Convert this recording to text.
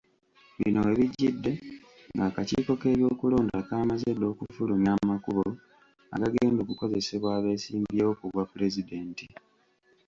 Bino we bijjidde ng'akakiiko k'ebyokulonda kaamaze dda okufulumya amakubo agagenda okukozesebwa abeesimbyewo ku bwapulezidenti.